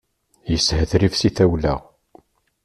Yeshetrif si tawla.